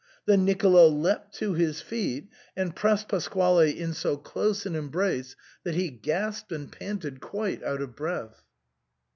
Then Nicolo leapt to his feet and pressed Pasquale in so close an embrace that he gasped and panted quite out of breath.